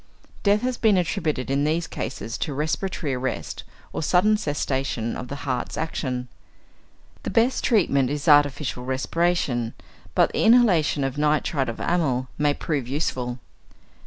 Death has been attributed in these cases to respiratory arrest or sudden cessation of the heart's action. The best treatment is artificial respiration, but the inhalation of nitrite of amyl may prove useful.